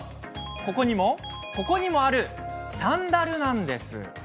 ここにも、ここにもあるサンダルなんです。